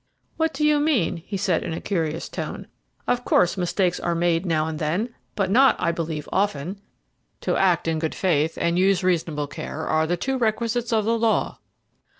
"What do you mean?" he said in a curious tone. "Of course mistakes are made now and then, but not, I believe, often. To act in good faith and exercise reasonable care are the two requisites of the law."